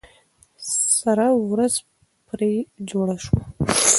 سره ورځ پرې جوړه سوه.